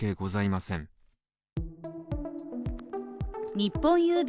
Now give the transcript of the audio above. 日本郵便